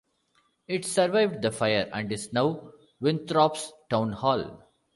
It survived the fire and is now Winthrop's Town Hall.